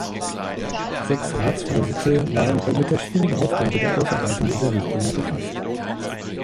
Sechs Ratsvorsitze waren mit der schwierigen Aufgabe der Ausarbeitung dieser Richtlinie befasst.